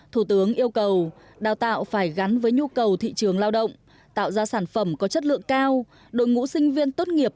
thủ tướng yêu cầu đào tạo phải gắn với nhu cầu thị trường lao động tạo ra sản phẩm có chất lượng cao đội ngũ sinh viên tốt nghiệp